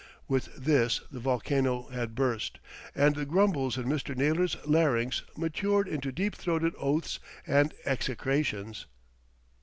With this the volcano had burst, and the grumbles in Mr. Naylor's larynx matured into deep throated oaths and execrations.